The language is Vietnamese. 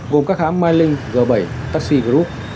gồm các hãng mylink g bảy taxi group